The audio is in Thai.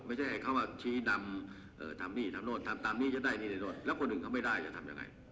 ไม่ใช่เขาว่าชี้นำทำนี่ทำโน่นทำตามนี้จะได้นี่โน่นแล้วคนอื่นเขาไม่ได้จะทำยังไง